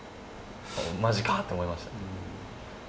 まじかーって思いました。